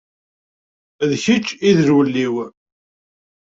D kečč i d lwel-iw.